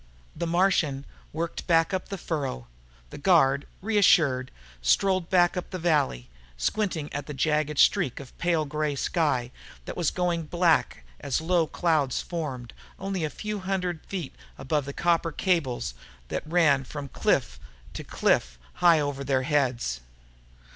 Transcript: The Martian worked back up the furrow. The guard, reassured, strolled back up the valley, squinting at the jagged streak of pale grey sky that was going black as low clouds formed, only a few hundred feet above the copper cables that ran from cliff to cliff high over their heads.